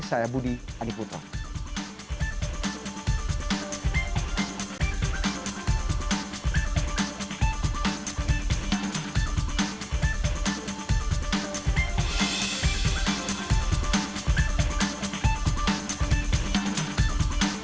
saya budi adiputo